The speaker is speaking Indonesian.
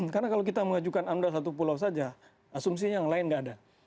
karena kalau kita mengajukan amdal satu pulau saja asumsinya yang lain tidak ada